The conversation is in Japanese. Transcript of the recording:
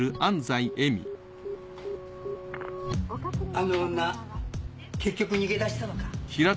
あの女結局逃げ出したのか？